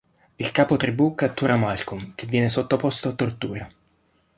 Il capo tribù cattura Malcolm che viene sottoposto a tortura.